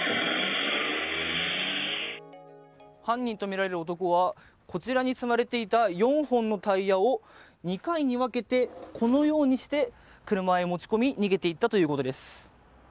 犯人とみられる男はこちらに積まれていた４本のタイヤを２回に分けて車に持ち込み逃げていったということです。